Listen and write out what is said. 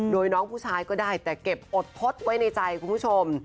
โดยน้องผู้ชายก็ได้แต่เก็บอดทดไว้ในใจคุณผู้ชม